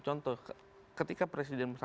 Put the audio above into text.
contoh ketika presiden